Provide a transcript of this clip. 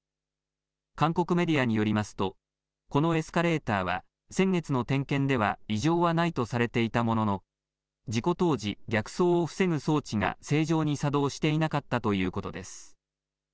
韓国メディアによりますと、このエスカレーターは、先月の点検では異常はないとされていたものの、事故当時、逆走を防ぐ装置が正常に作動していなかったということです。